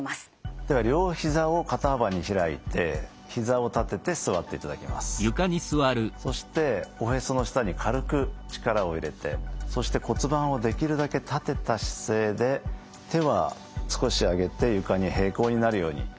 では両ひざを肩幅に開いてそしておへその下に軽く力を入れてそして骨盤をできるだけ立てた姿勢で手は少し上げて床に並行になるように。